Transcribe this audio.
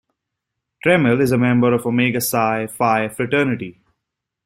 Trammell is a member of Omega Psi Phi fraternity.